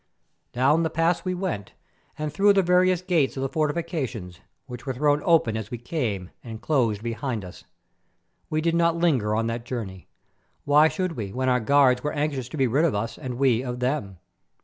Down the pass we went and through the various gates of the fortifications, which were thrown open as we came and closed behind us. We did not linger on that journey. Why should we when our guards were anxious to be rid of us and we of them?